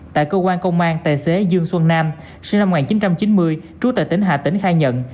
tại cơ quan công an tài xế dương xuân nam sinh năm một nghìn chín trăm chín mươi trú tại tỉnh hà tĩnh khai nhận